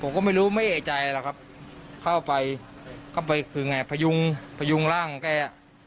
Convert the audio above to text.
ผมก็ไม่รู้ไม่เอกใจหรอกครับเข้าไปเข้าไปคือไงพยุงพยุงร่างของแกอ่ะ